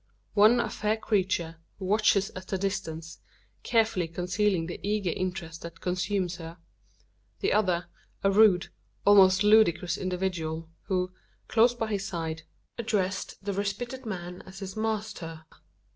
One a fair creature, who watches at a distance, carefully concealing the eager interest that consumes her. The other, a rude, almost ludicrous individual, who, close by his side, addresses the respited man as his "masther."